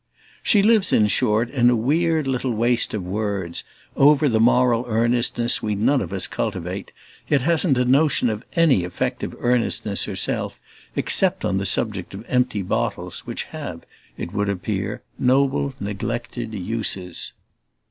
She lives in short in a weird little waste of words over the moral earnestness we none of us cultivate; yet hasn't a notion of any effective earnestness herself except on the subject of empty bottles, which have, it would appear, noble neglected uses.